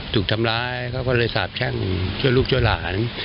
ถูกทำร้ายเขาก็เลยสาบแช่งช่วยลูกช่วยหลาน